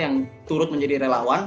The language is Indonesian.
yang turut menjadi relawan